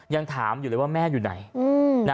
ยังถามอยู่เลยว่าแม่อยู่ไหน